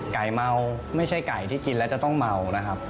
เมาไม่ใช่ไก่ที่กินแล้วจะต้องเมานะครับ